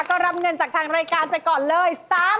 ก็รับเงินจากทางรายการไปก่อนเลย